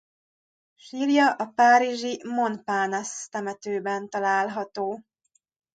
Sírja a párizsi Montparnasse temetőben található.